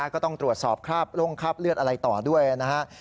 ก็ต้องตรวจสอบคราบล่งคราบเลือดอะไรต่อด้วยนะครับ